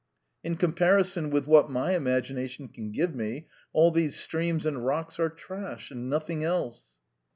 In comparison with what my imagination can give me, all these streams and rocks are trash, and nothing else."